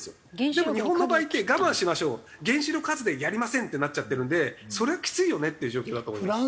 でも日本の場合って我慢しましょう原子力発電やりませんってなっちゃってるんでそれはきついよねっていう状況だと思います。